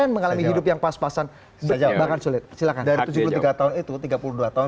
mengalami hidup yang pas pasan saja bahkan sulit silahkan dari tujuh puluh tiga tahun itu tiga puluh dua tahun